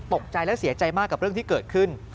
ตกใจและเสียใจมากกับเรื่องที่เกิดขึ้น